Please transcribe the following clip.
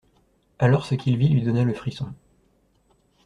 Alors ce qu'il vit lui donna le frisson.